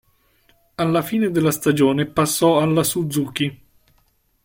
Alla fine della stagione passò alla Suzuki.